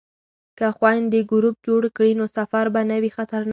که خویندې ګروپ جوړ کړي نو سفر به نه وي خطرناک.